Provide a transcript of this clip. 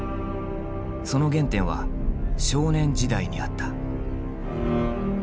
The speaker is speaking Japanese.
その原点は少年時代にあった。